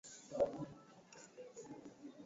Heshimia fasi ya ibada ya Mungu